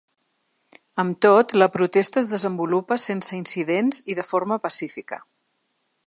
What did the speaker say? Amb tot, la protesta es desenvolupa sense incidents i de forma pacífica.